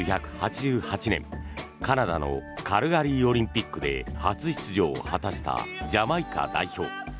１９８８年、カナダのカルガリーオリンピックで初出場を果たしたジャマイカ代表。